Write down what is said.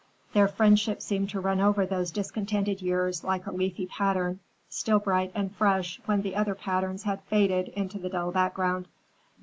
Their friendship seemed to run over those discontented years like a leafy pattern, still bright and fresh when the other patterns had faded into the dull background.